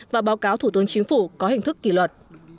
và báo cáo thủ tướng chính phủ có hình thức kỷ luật